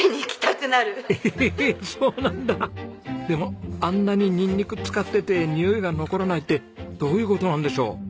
でもあんなにニンニク使っててにおいが残らないってどういう事なんでしょう？